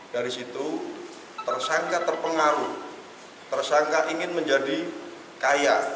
dari situ tersangka terpengaruh tersangka ingin menjadi kaya